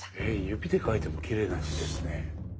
指で書いてもきれいな字ですね。